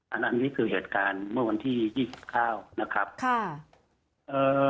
อันนี้คือเหตุการณ์เมื่อวันที่ยี่สิบเก้านะครับค่ะเอ่อ